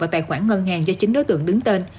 vào tài khoản ngân hàng do chính đối tượng đứng tên